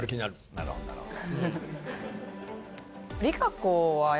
なるほどなるほど。